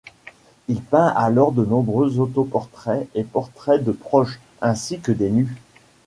Il peint alors de nombreux autoportraits et portraits de proches, ainsi que des nus.